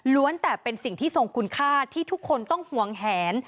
แต่เป็นสิ่งที่ทรงคุณค่าที่ทุกคนต้องห่วงแหน